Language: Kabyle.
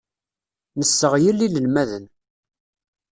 Nesseɣyel inelmaden.